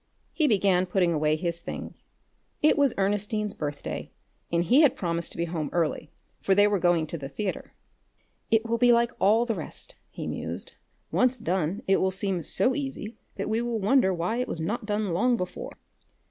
He began putting away his things. It was Ernestine's birthday, and he had promised to be home early, for they were going to the theatre. "It will be like all the rest," he mused. "Once done, it will seem so easy that we will wonder why it was not done long before."